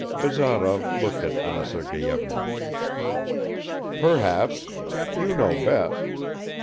Bazarov looked at Anna Sergeyevna. "Perhaps. You know best.